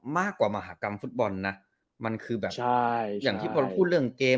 มากกว่ามหากรรมฟุตบอลนะมันคือแบบใช่อย่างที่พอเราพูดเรื่องเกม